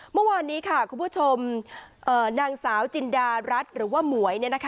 เมื่อวานนี้ค่ะคุณผู้ชมเอ่อนางสาวจินดารัฐหรือว่าหมวยเนี่ยนะคะ